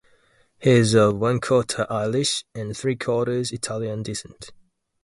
He is of one-quarter Irish and three-quarters Italian descent.